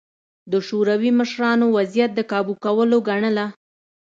د شوروي مشرانو وضعیت د کابو کولو ګڼله